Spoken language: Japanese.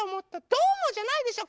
どうもじゃないでしょ。